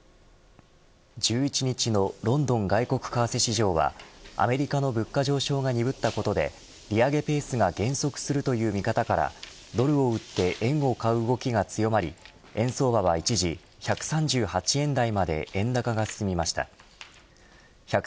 １１日のロンドン外国為替市場はアメリカの物価上昇が鈍ったことで利上げペースが減速するという見方からドルを売って円を買う動きが強まり円相場は一時１３８円台まで円高が進みました。